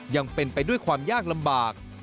ยังเป็นไปด้วยความยากลำบาก